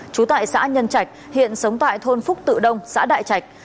trú tại xã nhân trạch hiện sống tại thôn phúc tự đông xã đại trạch